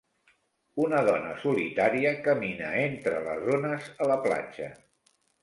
Una dona solitària camina entre les ones a la platja.